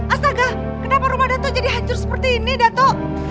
astaga kenapa rumah dato jadi hancur seperti ini dato